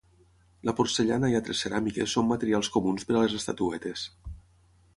La porcellana i altres ceràmiques són materials comuns per a les estatuetes.